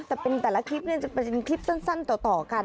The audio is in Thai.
แต่เป็นแต่ละคลิปจะเป็นคลิปสั้นต่อกัน